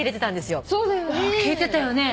聞いてたよね。